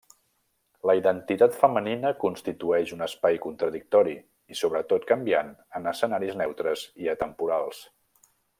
La identitat femenina constitueix un espai contradictori i sobretot canviant en escenaris neutres i atemporals.